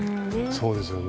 そうですね。